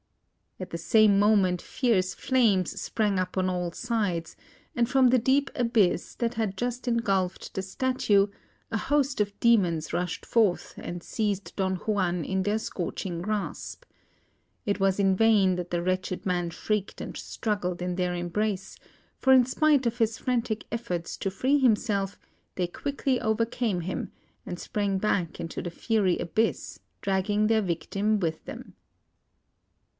At the same moment, fierce flames sprang up on all sides, and from the deep abyss that had just engulfed the Statue, a host of demons rushed forth and seized Don Juan in their scorching grasp. It was in vain that the wretched man shrieked and struggled in their embrace, for in spite of his frantic efforts to free himself, they quickly overcame him, and sprang back into the fiery abyss, dragging their victim with them.